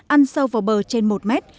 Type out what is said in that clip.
ăn sâu vào bờ trên một mét